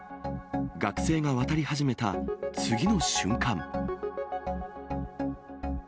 学生が渡り始めた次の瞬間。